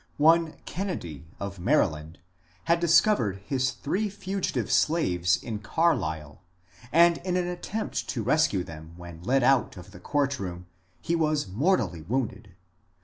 One Kennedy of Maryland had discovered his three fugi tive slaves in Carlisle, and in an attempt to rescue them when led out of the court room he was mortally wounded.